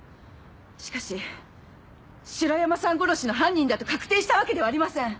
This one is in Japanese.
しかし城山さん殺しの犯人だと確定したわけではありません。